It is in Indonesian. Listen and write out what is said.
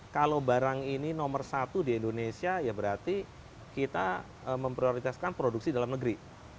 kalau barang ini nomor satu di indonesia ya berarti kita memprioritaskan produksi dalam negeri